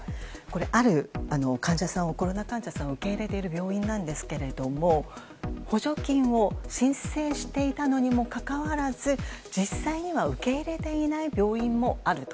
あるコロナ患者さんを受け入れている病院ですが補助金を申請していたのにもかかわらず実際には受け入れていない病院もあると。